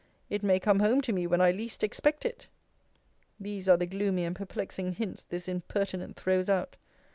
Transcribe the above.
It may come home to me when I least expect it.' These are the gloomy and perplexing hints this impertinent throws out.